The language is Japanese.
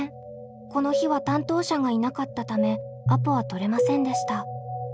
この日は担当者がいなかったためアポは取れませんでした。